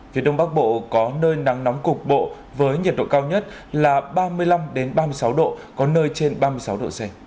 phía đông bắc bộ có nơi nắng nóng cục bộ với nhiệt độ cao nhất là ba mươi năm ba mươi sáu độ có nơi trên ba mươi sáu độ c